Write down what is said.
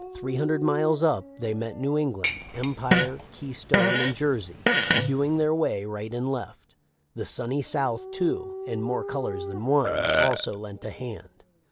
Three hundred miles up they met New England, Empire, Keystone, and Jersey, hewing their way right and left. The Sunny South too, in more colors than one, also lent a hand.